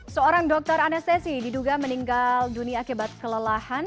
seorang dokter anestesi diduga meninggal dunia akibat kelelahan